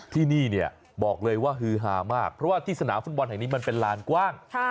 ที่นี่เนี่ยบอกเลยว่าฮือฮามากเพราะว่าที่สนามฟุตบอลแห่งนี้มันเป็นลานกว้าง